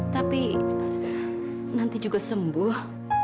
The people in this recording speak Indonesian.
tapi nanti juga sembuh